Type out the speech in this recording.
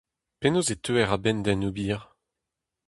Penaos e teuer a-benn d'en ober ?